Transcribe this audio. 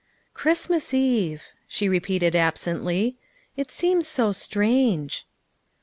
" Christmas Eve," she repeated absently; " it seems so strange."